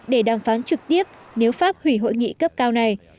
để đàm phán trực tiếp nếu pháp hủy hội nghị cấp cao này